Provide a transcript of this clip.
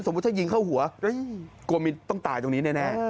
สมมุติถ้ายิงเข้าหัวโกมินต้องตายตรงนี้แน่